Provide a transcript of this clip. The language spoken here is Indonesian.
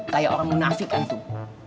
kayak orang munafik antum